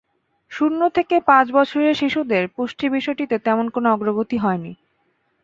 শূন্য থেকে পাঁচ বছরের শিশুদের পুষ্টির বিষয়টিতে তেমন কোনো অগ্রগতি হয়নি।